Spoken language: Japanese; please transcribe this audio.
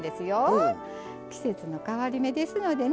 季節の変わり目ですのでね